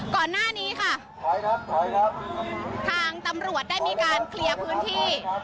ก่อนหน้านี้ค่ะทางตำรวจได้มีการเคลียร์พื้นที่